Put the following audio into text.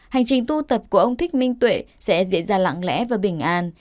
hành trình tu tập của ông thích minh tuệ sẽ diễn ra lặng lẽ và bình an